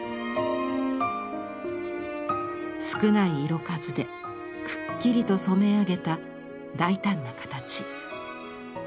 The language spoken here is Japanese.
少ない色数でくっきりと染め上げた大胆な形。